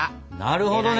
なるほどね！